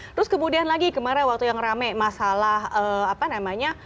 terus kemudian lagi kemarin waktu yang rame masalah apa namanya